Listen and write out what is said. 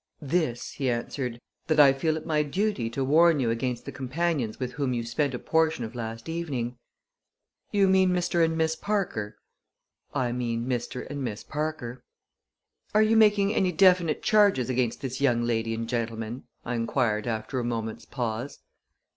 "This," he answered, "that I feel it my duty to warn you against the companions with whom you spent a portion of last evening." "You mean Mr. and Miss Parker?" "I mean Mr. and Miss Parker." "Are you making any definite charges against this young lady and gentleman?" I inquired after a moment's pause.